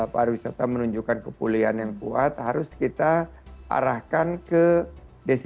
para wisata menunjukkan kepuliaan yang kuat harus kita arahkan ke destinasi